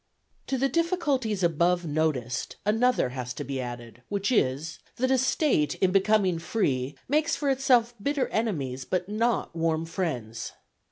To the difficulties above noticed, another has to be added, which is, that a State in becoming free makes for itself bitter enemies but not warm friends.